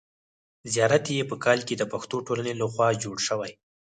زیارت یې په کال کې د پښتو ټولنې له خوا جوړ شوی.